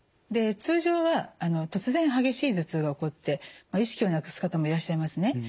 で通常は突然激しい頭痛が起こって意識をなくす方もいらっしゃいますね。